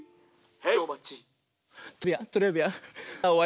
はい。